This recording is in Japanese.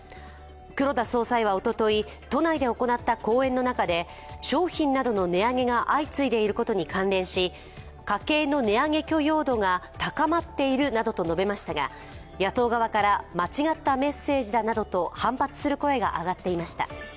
黒田総裁はおととい、都内で行った講演の中で、商品などの値上げが相次いでいることに関連し、家計の値上げ許容度が高まっているなどと述べましたが野党側から、間違ったメッセージだなどと反発する声が上がっていました。